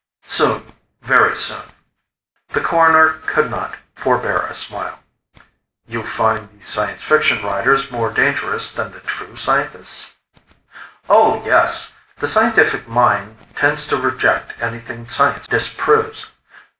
"Soon, very soon." The Coroner could not forebear a smile. "You find the science fiction writers more dangerous than the true scientists?" "Oh, yes. The scientific mind tends to reject anything science disproves."